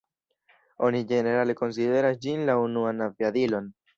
Oni ĝenerale konsideras ĝin la unuan aviadilon.